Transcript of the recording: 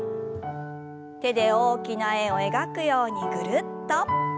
手で大きな円を描くようにぐるっと。